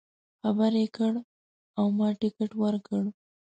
خبر یې کړ او ما ټکټ ورکړ.